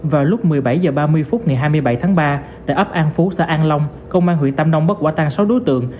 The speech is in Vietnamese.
vào lúc một mươi bảy h ba mươi phút ngày hai mươi bảy tháng ba tại ấp an phú xã an long công an huyện tam nông bắt quả tang sáu đối tượng